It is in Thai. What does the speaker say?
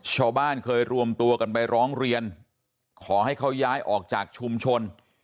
ชาวบ้านเคยรวมตัวกันไปร้องเรียนขอให้เขาย้ายออกจากชุมชน